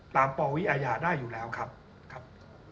ปวิอาญาได้อยู่แล้วครับ